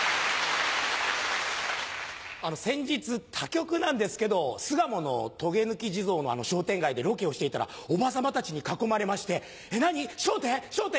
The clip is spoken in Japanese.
あの先日他局なんですけど巣鴨のとげぬき地蔵の商店街でロケをしていたらおばさまたちに囲まれまして「えっ何？『笑点』？『笑点』？」